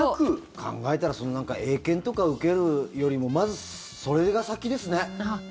考えたら英検とか受けるよりもまずそれが先ですね。